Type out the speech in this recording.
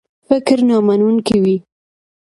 فکر نامنونکی وي.